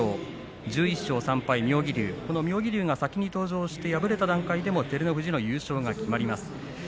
１１勝３敗、妙義龍妙義龍が先に登場して敗れた段階でも照ノ富士の優勝が決まります。